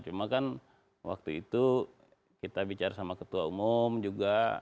cuma kan waktu itu kita bicara sama ketua umum juga